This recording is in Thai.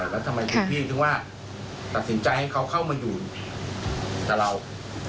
แล้วทำไมคุณพี่ถึงว่าตัดสินใจให้เขาเข้ามาอยู่กับเรา